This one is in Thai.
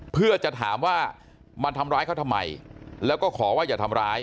เพื่อจะถามว่ามาทำร้ายเขาทำไมแล้วก็ขอว่าอย่าทำร้าย